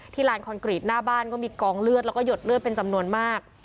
ลานคอนกรีตหน้าบ้านก็มีกองเลือดแล้วก็หยดเลือดเป็นจำนวนมาก